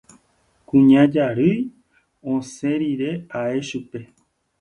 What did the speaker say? Kuña Jarýi osẽ rire ae chupe.